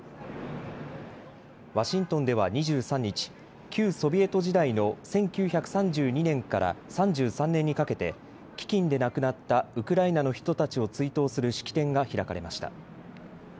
ワシントンでは２３日、旧ソビエト時代の１９３２年から３３年にかけて飢きんで亡くなったウクライナの人たちを追悼する式典が開かれました。